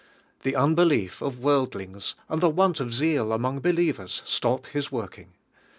The unbelief of world lings and the want of zeal among believ ers stop His working.